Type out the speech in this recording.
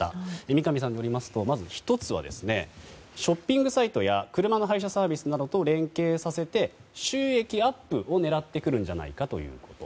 三上さんによりますとまず１つはショッピングサイトや車の配車サービスなどと連携させて収益アップを狙ってくるのではということ。